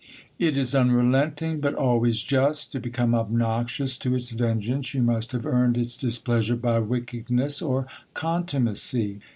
It is unrelenting, but always just : to become obnoxious to its vengeance, you must have earned its displeasure by wickedness or contumacy.